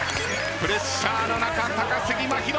プレッシャーの中高杉真宙